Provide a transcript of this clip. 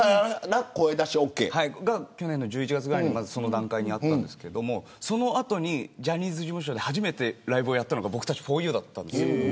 それが去年の１１月ぐらいにその段階になったんですがその後にジャニーズ事務所で初めてライブをやったのが僕たちでした。